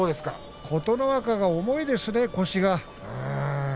琴ノ若が重いですね、腰が。